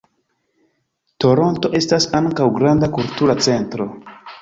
Toronto estas ankaŭ granda kultura centro.